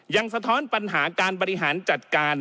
สะท้อนปัญหาการบริหารจัดการ